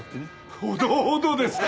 ほどほどですか？